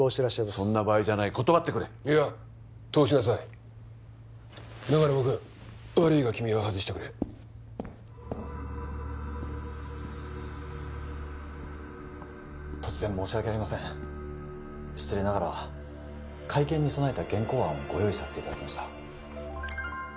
そんな場合じゃない断ってくれいや通しなさい長沼君悪いが君は外してくれ突然申し訳ありません失礼ながら会見に備えた原稿案をご用意させていただきました